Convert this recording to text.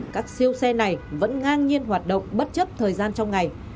các siêu xe này vẫn ngang nhiên hoạt động bất chấp thời gian trong ngày